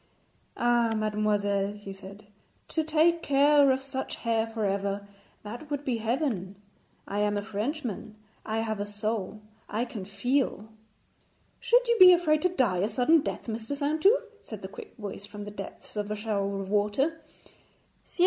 'Ah, mademoiselle,' he said, 'to take care of such hair for ever that would be heaven. I am a Frenchman; I have a soul; I can feel.' 'Should you be afraid to die a sudden death, Mr. Saintou?' said the quick voice from the depths of a shower of water. 'Ciel!